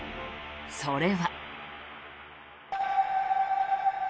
それは。